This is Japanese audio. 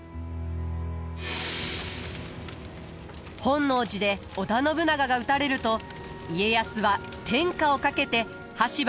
本能寺で織田信長が討たれると家康は天下をかけて羽柴秀吉と激突。